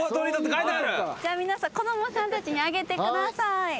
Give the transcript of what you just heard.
じゃあ皆さん子供さんたちにあげてください。